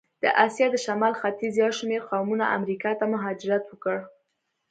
د آسیا د شمال ختیځ یو شمېر قومونه امریکا ته مهاجرت وکړ.